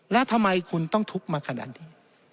แล้วทำไมคุณต้องทุกข์มาขนาดนี้